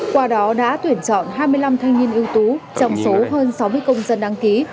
qua đó đã tuyển chọn hai mươi năm thanh niên ưu tú trong số hơn sáu mươi công dân đăng ký